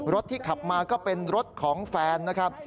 รถที่ขับมาก็เป็นรถของแฟนนะครับ